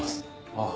ああ。